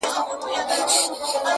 نیکه د ژمي په اوږدو شپو کي کیسې کولې.!